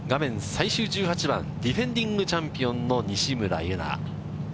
最終１８番、ディフェンディングチャンピオンの西村優菜。